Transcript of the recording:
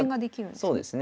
そうですね。